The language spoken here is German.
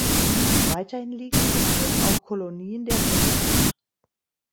Weiterhin liegen im Bezirk auch Kolonien der Hutterer.